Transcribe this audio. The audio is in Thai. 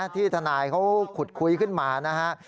ที่ทนายเขาขุดคุยขึ้นมานะฮะ